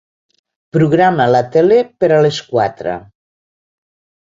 Programa la tele per a les quatre.